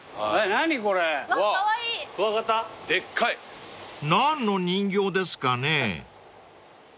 ［何の人形ですかね］